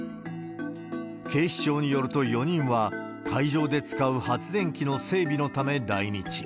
警視庁によると、４人は、会場で使う発電機の整備のため来日。